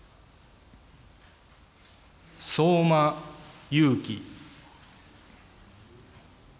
相馬勇紀。